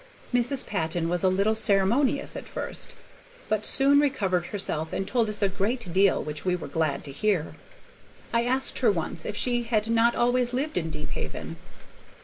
Mrs. Patton was a little ceremonious at first, but soon recovered herself and told us a great deal which we were glad to hear. I asked her once if she had not always lived at Deephaven.